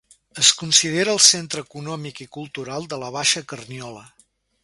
Es considera el centre econòmic i cultural de la Baixa Carniola.